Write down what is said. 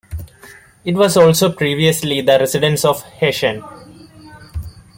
It was also previously the residence of Heshen.